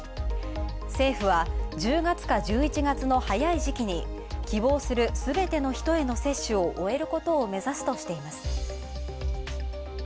政府は１０月か１１月の早い時期に希望するすべての人への接種を終えることを目指すとしています。